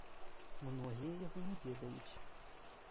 Многія яго не ведаюць.